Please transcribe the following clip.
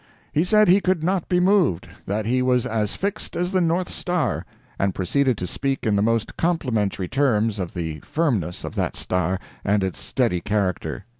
He said he could not be moved; that he was as fixed as the North Star, and proceeded to speak in the most complimentary terms of the firmness of that star and its steady character.